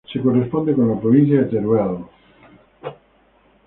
Se corresponde con la provincia de Teruel.